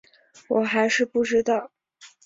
我还是不知道